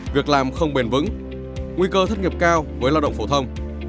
việc làm không bền vững nguy cơ thất nghiệp cao với lao động phổ thông